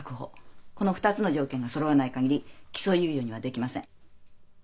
この２つの条件がそろわない限り起訴猶予にはできません。